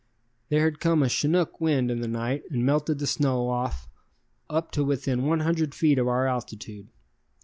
There had come a chinook wind in the night and melted the snow off up to within one hundred feet of our altitude.